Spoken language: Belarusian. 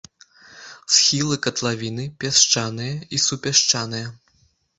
Схілы катлавіны пясчаныя і супясчаныя.